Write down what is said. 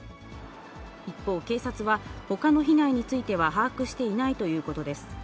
一方、警察はほかの被害については把握していないということです。